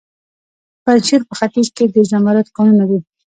د پنجشیر په خینج کې د زمرد کانونه دي.